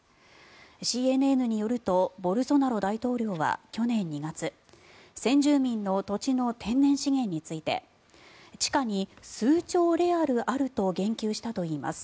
ＣＮＮによるとボルソナロ大統領は去年２月、先住民の土地の天然資源について地下に数兆レアルあると言及したといいます。